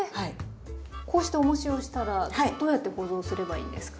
こうしておもしをしたらどうやって保存すればいいんですか？